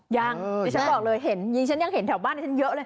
ยังดิฉันบอกเลยเห็นฉันยังเห็นแถวบ้านดิฉันเยอะเลย